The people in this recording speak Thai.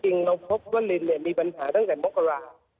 จริงเราพบว่าอีลินเนี่ยมีปัญหาตั้งแต่มกราศ